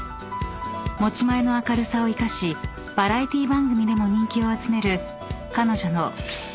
［持ち前の明るさを生かしバラエティー番組でも人気を集める彼女の］